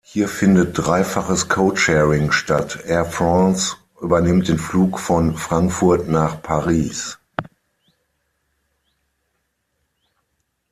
Hier findet dreifaches Codesharing statt: Air France übernimmt den Flug von Frankfurt nach Paris.